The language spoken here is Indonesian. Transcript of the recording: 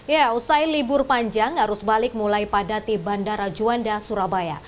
ya usai libur panjang arus balik mulai padati bandara juanda surabaya